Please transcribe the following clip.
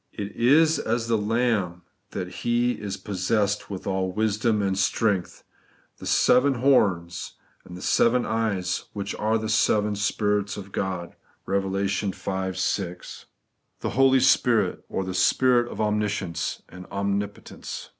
It is as the Lamb that He is possessed with all wisdom and strength, — ^'the seven horns and the seven eyes, which are the seven Spirits of God ' (Eev. v. 6) ; The Declaration of the Completeness. 67 the Holy Spirit, or the Spirit of omniscience and omnipotence.